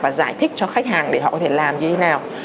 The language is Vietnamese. và giải thích cho khách hàng để họ có thể làm như thế nào